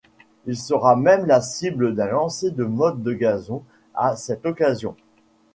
Il sera même la cible d'un lancer de mottes de gazon à cette occasion.